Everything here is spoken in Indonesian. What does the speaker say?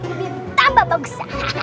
lebih tambah bagus